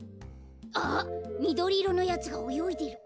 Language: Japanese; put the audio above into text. あっみどりいろのやつがおよいでる。